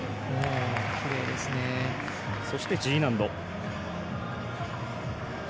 そして、Ｇ難度。